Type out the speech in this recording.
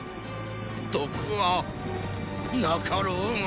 毒はなかろうが！